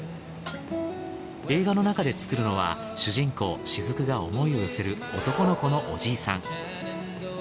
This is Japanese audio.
映画の中で作るのは主人公雫が想いを寄せる男の子のおじいさん。